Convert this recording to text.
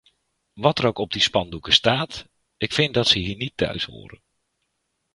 Wat er ook op die spandoeken staat, ik vind dat ze hier niet thuishoren.